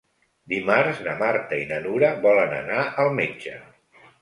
Dimarts na Marta i na Nura volen anar al metge.